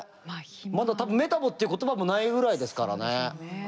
まだ多分メタボっていう言葉もないぐらいですからね。